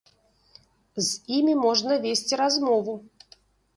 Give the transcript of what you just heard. З імі можна весці размову.